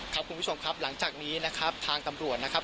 คุณผู้ชมครับหลังจากนี้นะครับทางตำรวจนะครับ